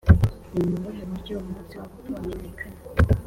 Ni mu buhe buryo umunsi wo gupfa wamenyekana‽